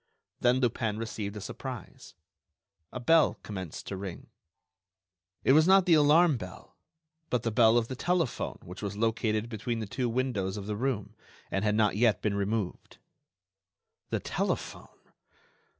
Then Lupin received a surprise. A bell commenced to ring. It was not the alarm bell, but the bell of the telephone which was located between the two windows of the room and had not yet been removed. The telephone!